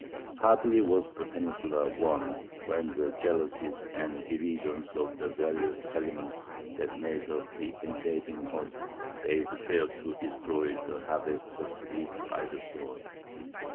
Hardly was the peninsula won, when the jealousies and divisions of the various elements that made up the invading host bade fair to destroy the harvest just reaped by the sword.